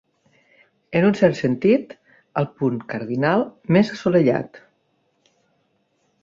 En un cert sentit, el punt cardinal més assolellat.